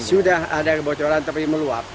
sudah ada kebocoran tapi meluap